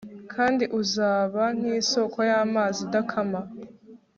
kandi uzaba nkisōko yamazi idakama